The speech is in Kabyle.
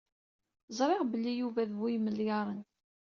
Ẓriɣ belli Yuba d bu imelyaren.